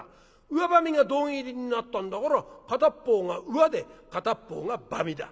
うわばみが胴切りになったんだから片っ方が『うわ』で片っ方が『ばみ』だ。